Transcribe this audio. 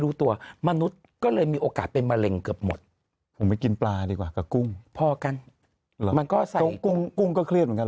กุ้งก็เครียดเหมือนกันเหรอ